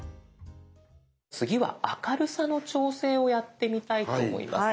次は明るさの調整をやってみたいと思います。